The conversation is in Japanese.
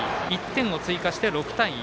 １点を追加して６対１。